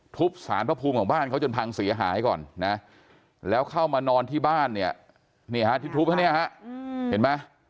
สารพระภูมิของบ้านเขาจนพังเสียหายก่อนนะแล้วเข้ามานอนที่บ้านเนี่ยนี่ฮะที่ทุบเขาเนี่ยฮะเห็นไหม